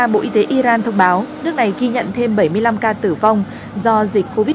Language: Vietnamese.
bộ y tế iran thông báo nước này ghi nhận thêm bảy mươi năm ca tử vong do dịch covid một mươi chín